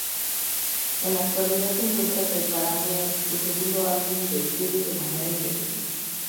En la actualidad se encuentra preparando su segundo álbum de estudio de manera independiente.